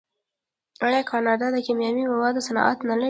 آیا کاناډا د کیمیاوي موادو صنعت نلري؟